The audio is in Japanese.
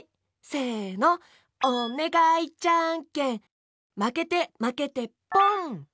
せの「おねがいじゃんけん」まけてまけてポン！